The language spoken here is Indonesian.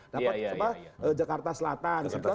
dapat jakarta selatan